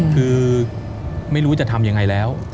คือไม่รู้จะทำยังไงแล้ว